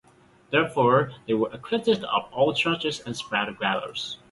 Therefore, they were acquitted of all charges and spared the gallows.